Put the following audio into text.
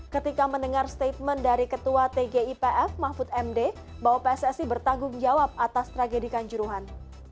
ketika mendengar statement dari ketua tgipf mahfud md bahwa pssi bertanggung jawab atas tragedi kanjuruhan